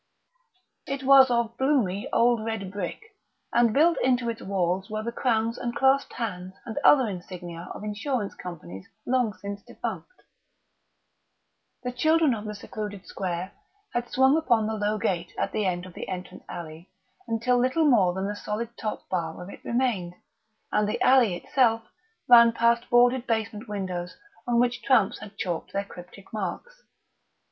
It was of bloomy old red brick, and built into its walls were the crowns and clasped hands and other insignia of insurance companies long since defunct. The children of the secluded square had swung upon the low gate at the end of the entrance alley until little more than the solid top bar of it remained, and the alley itself ran past boarded basement windows on which tramps had chalked their cryptic marks.